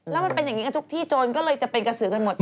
แล้วมันเป็นอย่างนี้กันทุกที่โจรก็เลยจะเป็นกระสือกันหมด